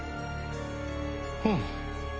うん。